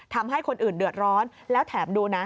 ทำให้คนอื่นเดือดร้อนแล้วแถมดูนะ